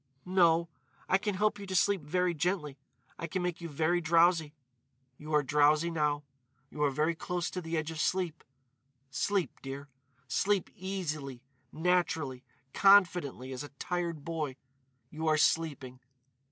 "No. I can help you to sleep very gently. I can make you very drowsy.... You are drowsy now.... You are very close to the edge of sleep.... Sleep, dear.... Sleep, easily, naturally, confidently as a tired boy.... You are sleeping